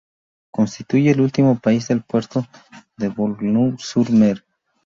Constituye el último país del puerto de Boulogne-sur-Mer.